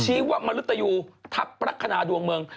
ชี้วะมรุตยูทัพประหาราดวงเมือง